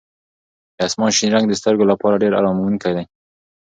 د اسمان شین رنګ د سترګو لپاره ډېر اراموونکی دی.